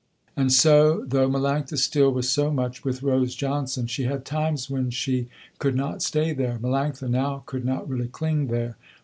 And so though Melanctha still was so much with Rose Johnson, she had times when she could not stay there. Melanctha now could not really cling there.